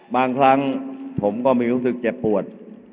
บางครั้งผมก็ไม่รู้สึกเจ็บปวด